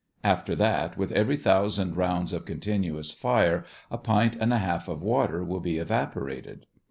After that, with every thousand rounds of continuous fire a pint and a half of water will be evaporated.